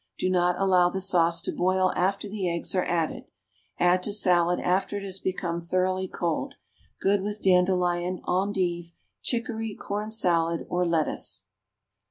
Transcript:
Do not allow the sauce to boil after the eggs are added. Add to salad after it has become thoroughly cold. Good with dandelion, endive, chicory, corn salad or lettuce.